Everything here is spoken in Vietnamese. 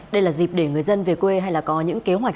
đây là dịp để người dân về quê hay là có những kế hoạch du lịch